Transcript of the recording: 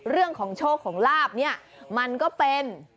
เรื่องของโชคของลาบเนี่ยมันก็เป็น